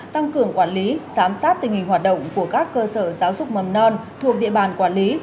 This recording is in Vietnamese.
tăng cường quản lý giám sát tình hình hoạt động của các cơ sở giáo dục mầm non thuộc địa bàn quản lý